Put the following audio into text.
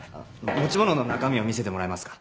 持ち物の中身を見せてもらえますか？